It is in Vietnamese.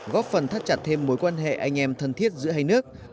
góp phần thắt chặt thêm mối quan hệ anh em thân thiết giữa hai nước